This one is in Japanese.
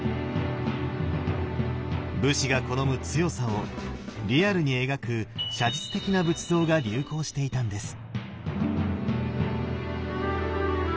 武士が好む強さをリアルに描く写実的な仏像が流行していたんです。